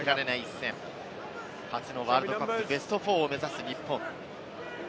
初のワールドカップ、ベスト４を目指す日本。